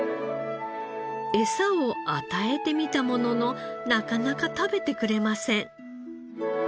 餌を与えてみたもののなかなか食べてくれません。